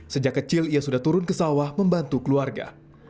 sejak kecil ia sudah turun ke sawah membantu keluarga